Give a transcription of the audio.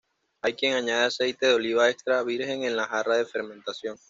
Hay quien añade aceite de oliva extra virgen en la jarra de fermentación.